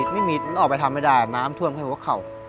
ไม่มีออกไปทำไม่ได้น้ำท่วมแค่หัวเข่า